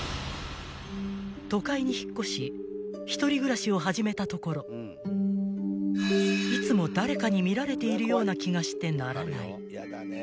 ［都会に引っ越し一人暮らしを始めたところいつも誰かに見られているような気がしてならない］